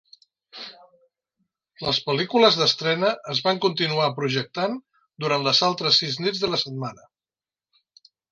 Les pel·lícules d'estrena es van continuar projectant durant les altres sis nits de la setmana.